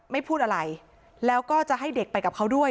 ไม่พูดอะไรแล้วก็จะให้เด็กไปกับเขาด้วย